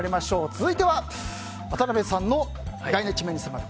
続いては、渡辺さんの意外な一面に迫る